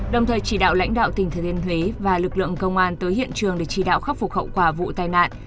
đồng thời chỉ đạo lãnh đạo tỉnh thừa thiên huế và lực lượng công an tới hiện trường để chỉ đạo khắc phục hậu quả vụ tai nạn